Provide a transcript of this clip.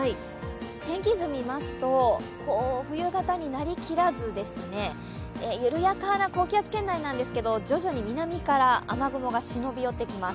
天気図を見ますと、冬型になりきらず緩やかな高気圧圏内なんですけど、徐々に南から雨雲が忍び寄ってきます。